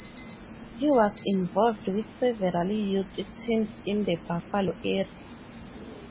He was involved with several youth teams in the Buffalo area.